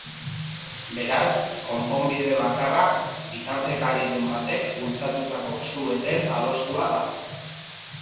Beraz, konponbide bakarra bitartekariren batek bultzatutako su eten adostua da.